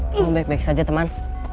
memang baik baik saja teman